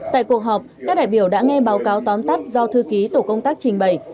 tại cuộc họp các đại biểu đã nghe báo cáo tóm tắt do thư ký tổ công tác trình bày